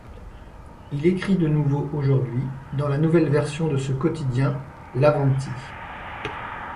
Il écrit de nouveau aujourd’hui, dans la nouvelle version de ce quotidien: L'Avanti!.